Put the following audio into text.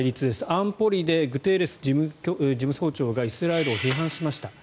安保理でグテーレス事務総長がイスラエルを批判しました。